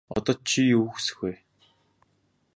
Одоо чи юу хүсэх вэ?